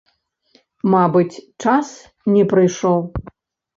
Мабыць, час не прыйшоў.